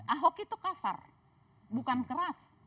ahok itu kasar bukan keras